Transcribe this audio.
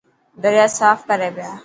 دريا صاف ڪري پيا.